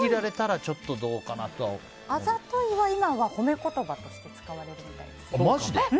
あざといは今は褒め言葉として使われるみたいですよ。